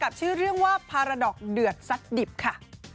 ชื่อเรื่องว่าพาราดอกเดือดซัดดิบค่ะ